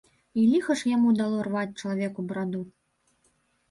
І ліха ж яму дало рваць чалавеку бараду.